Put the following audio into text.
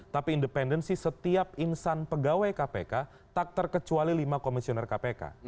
tapi independensi setiap insan pegawai kpk tak terkecuali lima komisioner kpk